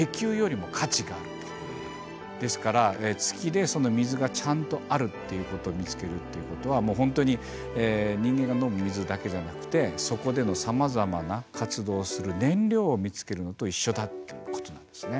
ですから月でその水がちゃんとあるということを見つけるということはもう本当に人間が飲む水だけじゃなくてそこでのさまざまな活動をする燃料を見つけるのと一緒だっていうことなんですね。